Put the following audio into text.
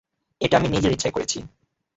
এটা আমি নিজের ইচ্ছায় করেছি।